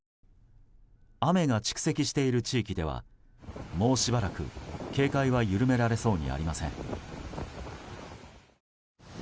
雨が蓄積している地域ではもうしばらく警戒は緩められそうにありません。